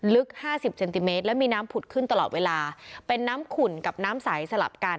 ลึกห้าสิบเซนติเมตรแล้วมีน้ำผุดขึ้นตลอดเวลาเป็นน้ำขุ่นกับน้ำใสสลับกัน